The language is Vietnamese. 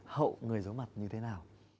hậu người giấu mặt như thế nào